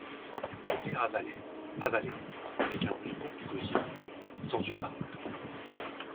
Le père avalait, avalait, avec un bruit rauque du gosier, sans une parole.